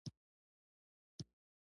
بوډا خپل نکل ته ژاړي نسته غوږ د اورېدلو